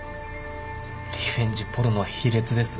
リベンジポルノは卑劣です。